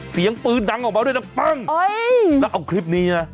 เสียงปืนดังออกมาด้วยนะปั้งแล้วเอาคลิปนี้นะ